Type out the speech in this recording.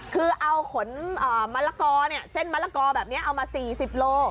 คือเอาขนอ่ามะละกอเนี้ยเส้นมะละกอแบบเนี้ยเอามาสี่สิบโล